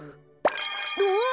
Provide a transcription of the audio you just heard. おっ！